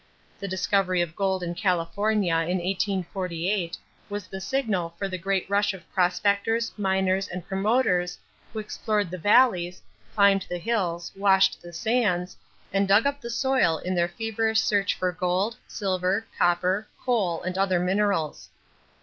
The discovery of gold in California in 1848 was the signal for the great rush of prospectors, miners, and promoters who explored the valleys, climbed the hills, washed the sands, and dug up the soil in their feverish search for gold, silver, copper, coal, and other minerals.